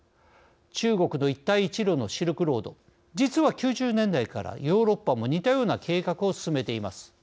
中国の一帯一路の新シルクロード実は９０年代から、ヨーロッパも似たような計画を進めています。